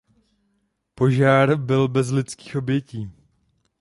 Požár byl bez lidských obětí.